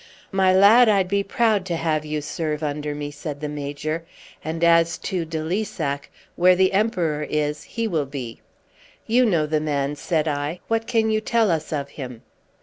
"My lad, I'd be proud to have you serve under me," said the Major. "And as to de Lissac, where the Emperor is he will be." "You know the man," said I. "What can you tell us of him?"